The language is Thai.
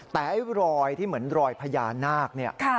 แต่ไอ้รอยที่เหมือนรอยพญานาคเนี่ย